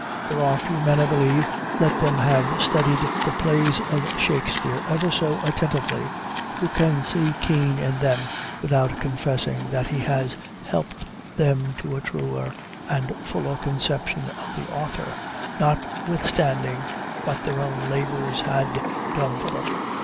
There are few men, I believe, let them have studied the plays of Shakspeare ever so attentively, who can see Kean in them without confessing that he has helped them to a truer and fuller conception of the author, notwithstanding what their own labors had done for them.